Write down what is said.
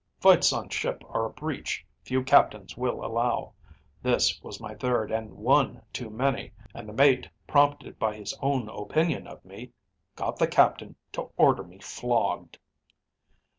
Fights on ship are a breach few captains will allow. This was my third, and one too many. And the mate, prompted by his own opinion of me, got the captain to order me flogged.